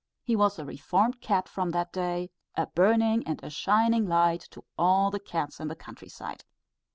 He was a reformed cat from that day; a burning and a shining light to all the cats in the country side.